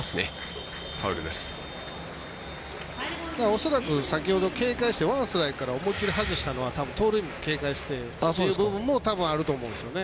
恐らく先ほど警戒してワンストライクから思い切り外したのはたぶん盗塁警戒してという部分もたぶん、あると思うんですよね。